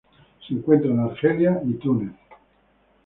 Se encuentra en Argelia y Túnez.